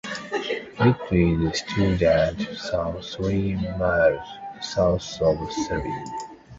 It is situated some three miles south of Selby.